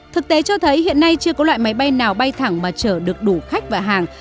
thực tế cho thấy hiện nay chưa có loại máy bay nào bay thẳng mà chở được đủ khách và hàng